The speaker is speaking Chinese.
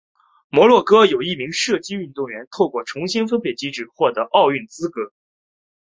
摩洛哥有一名射击运动员透过重新分配机制获得奥运资格。